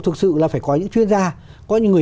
thực sự là phải có những chuyên gia có những người